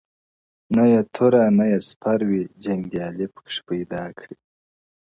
نه یې توره نه یې سپر وي جنګیالی پکښی پیدا کړي -